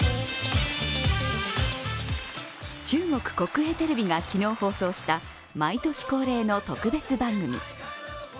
中国国営テレビが昨日放送した毎年恒例の特別番組。